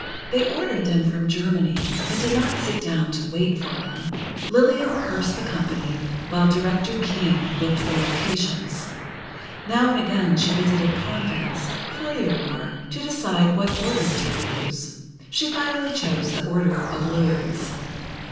They ordered them from Germany, but did not sit down to wait for them. Lillian rehearsed the company while Director King looked for locations. Now and again she visited convents, forty or more, to decide what Order to use. She finally chose the Order of Lourdes.